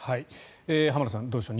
浜田さん、どうでしょう。